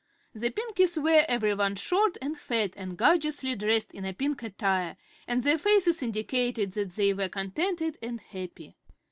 The Pinkies were every one short and fat and gorgeously dressed in pink attire, and their faces indicated that they were contented and happy.